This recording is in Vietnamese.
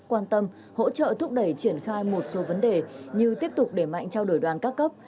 quan tâm hỗ trợ thúc đẩy triển khai một số vấn đề như tiếp tục để mạnh trao đổi đoàn các cấp